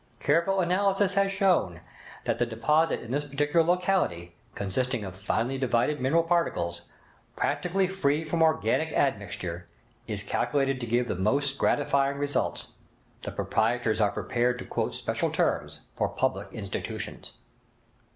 Careful analysis has shown that the deposit in this particular locality, consisting of finely divided mineral particles, practically free from organic admixture, is calculated to give the most gratifying results. The proprietors are prepared to quote special terms for public institutions.'